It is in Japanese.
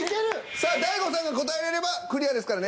さあ大悟さんが答えられればクリアですからね。